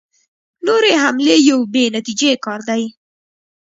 نورې حملې یو بې نتیجې کار دی.